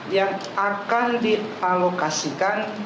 yang akan dialokasikan